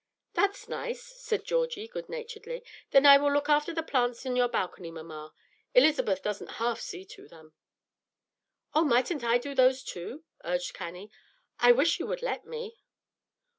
"That's nice," said Georgie, good naturedly. "Then I will look after the plants on your balcony, mamma. Elizabeth doesn't half see to them." "Oh, mightn't I do those too?" urged Cannie. "I wish you would let me."